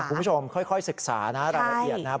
คุณผู้ชมค่อยศึกษานะรายละเอียดนะครับ